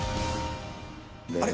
あれ？